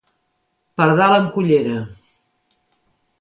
Pardal amb cullera.